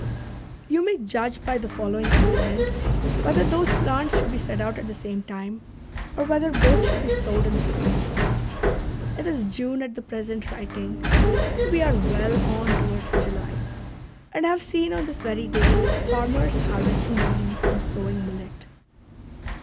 You may judge by the following incident whether those plants should be set out at the same time, or whether both should be sowed in the spring. It is June at the present writing, and we are well on towards July ; and I have seen on this very day farmers harvesting beans and sowing millet.